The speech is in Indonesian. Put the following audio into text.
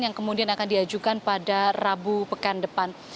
yang kemudian akan diajukan pada rabu pekan depan